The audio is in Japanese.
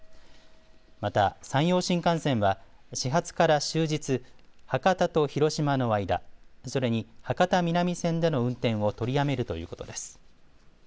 また山陽新幹線は始発から終日、博多と広島の間、それに博多南線での運転を取りやめるということです。